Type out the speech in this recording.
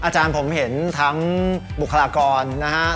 อาจารย์ผมเห็นทั้งบุคลากรนะฮะ